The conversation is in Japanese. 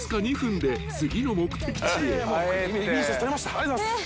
ありがとうございます。